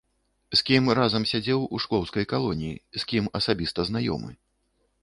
З кім разам сядзеў у шклоўскай калоніі, з кім асабіста знаёмы.